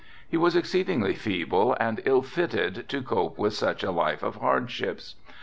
He was exceedingly feeble and ill fitted to cope with such a life of hardships.